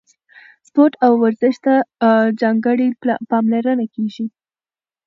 سپورت او ورزش ته ځانګړې پاملرنه کیږي.